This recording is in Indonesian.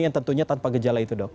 yang tentunya tanpa gejala itu dok